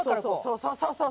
そうそうそうそう！